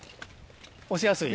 押しやすい？